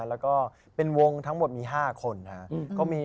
แล้วก็เป็นวงทั้งหมดมี๕คนนะครับ